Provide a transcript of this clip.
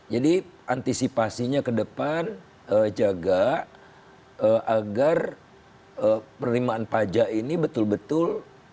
jadi antisipasinya ke depan jaga agar penerimaan pajak ini betul betul